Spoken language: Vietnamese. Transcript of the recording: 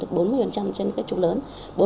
trên các trục lớn